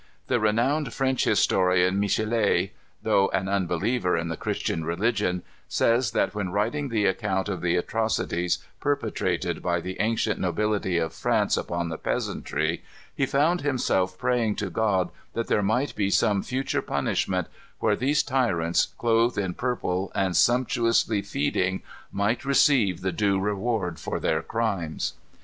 The renowned French historian, Michelet, though an unbeliever in the Christian religion, says that when writing the account of the atrocities perpetrated by the ancient nobility of France upon the peasantry, he found himself praying to God that there might be some future punishment, where these tyrants, clothed in purple and sumptuously feeding, might receive the due award for their crimes.